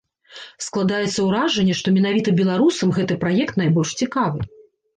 Складаецца ўражанне, што менавіта беларусам гэты праект найбольш цікавы.